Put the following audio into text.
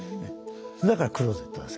だからクローゼットです。